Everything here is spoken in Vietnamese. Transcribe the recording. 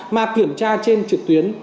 mà kiểm tra trên trực tuyến